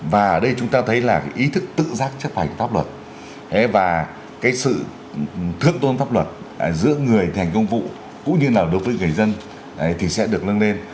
và cái sự thượng tôn pháp luật giữa người thành công vụ cũng như là đối với người dân thì sẽ được nâng lên